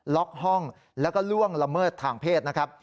ล็อกห้องแล้วก็ล่วงละเมิดทางเพศนะครับ